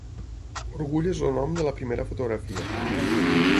Orgull és el nom de la primera fotografia.